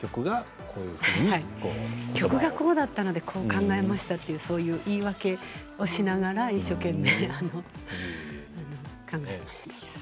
曲がこうだったのでこう考えましたって言い訳をしながら一生懸命考えました。